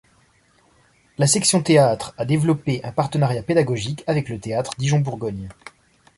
La section théâtre a développé un partenariat pédagogique avec le théâtre Dijon-Bourgogne.